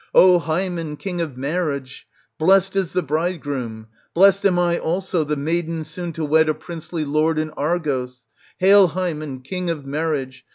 O Hymen, king of marriage ! blest is the bridegroom; blest am I also, the maiden soon to wed a princely lord in Argos. Hail Hymen, king of marriage!